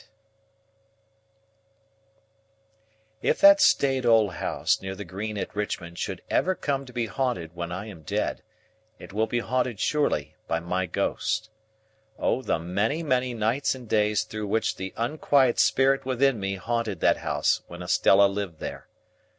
If that staid old house near the Green at Richmond should ever come to be haunted when I am dead, it will be haunted, surely, by my ghost. O the many, many nights and days through which the unquiet spirit within me haunted that house when Estella lived there!